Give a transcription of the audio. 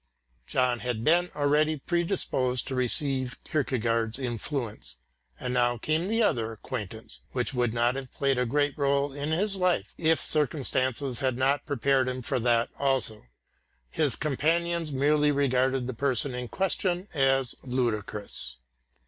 John had been already predisposed to receive Kierkegaard's influence, and now came the other acquaintance, which would not have played a great rôle in his life if circumstances had not prepared him for that also. His companions merely regarded the person in question as ludicrous.